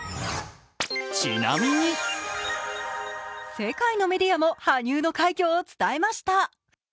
世界のメディアも羽生の快挙を伝えました。